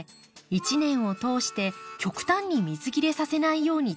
一年を通して極端に水切れさせないように注意します。